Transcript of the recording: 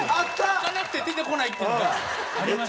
開かなくて出てこないっていうのがありました。